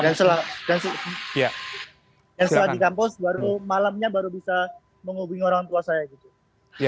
dan setelah di kampus malamnya baru bisa menghubungi orang tua saya